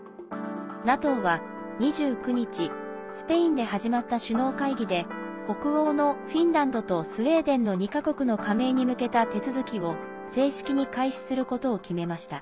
ＮＡＴＯは２９日スペインで始まった首脳会議で北欧のフィンランドとスウェーデンの２か国の加盟に向けた手続きを正式に開始することを決めました。